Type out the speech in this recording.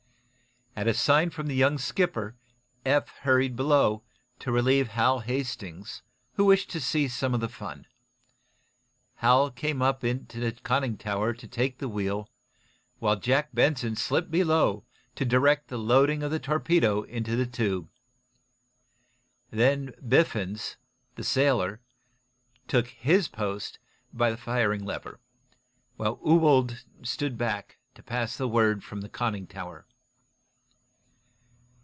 At a sign from the young skipper Eph hurried below, to relieve Hal Hastings, who wished to see some of the fun. Hal came up into the conning tower to take the wheel while Jack Benson slipped below to direct the loading of the torpedo into the tube. Then Biffens, the sailor, took his post by the firing lever, while Ewald stood back to pass the word from the conning tower.